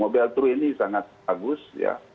mobil true ini sangat bagus ya